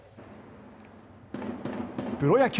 プロ野球。